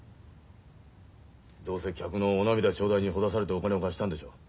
どうせ客のお涙頂戴にほだされてお金を貸したんでしょう。